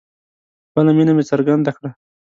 خپله مینه مې څرګنده کړه